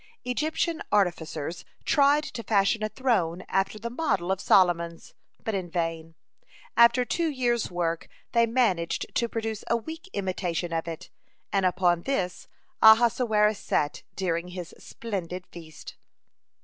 Egyptian artificers tried to fashion a throne after the model of Solomon's, but in vain. After two years' work they managed to produce a weak imitation of it, and upon this Ahasuerus sat during his splendid feast.